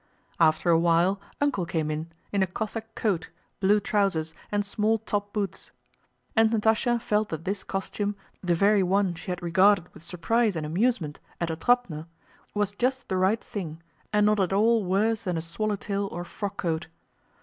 After a while "Uncle" came in, in a Cossack coat, blue trousers, and small top boots. And Natásha felt that this costume, the very one she had regarded with surprise and amusement at Otrádnoe, was just the right thing and not at all worse than a swallow tail or frock coat.